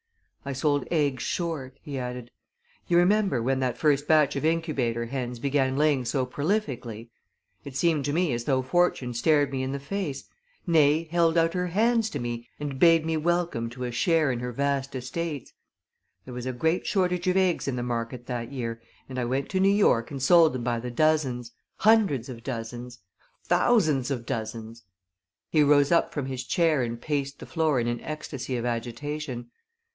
"I sold eggs short," he added. "You remember when that first batch of incubator hens began laying so prolifically it seemed to me as though Fortune stared me in the face nay, held out her hands to me and bade me welcome to a share in her vast estates. There was a great shortage of eggs in the market that year, and I went to New York and sold them by the dozens hundreds of dozens thousands of dozens " He rose up from his chair and paced the floor in an ecstasy of agitation.